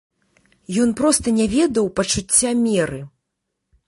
Ён проста не ведаў пачуцця меры.